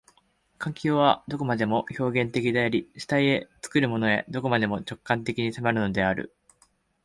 環境はどこまでも表現的であり、主体へ、作るものへ、どこまでも直観的に迫るのである。